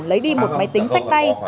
lấy đi một máy tính sách tay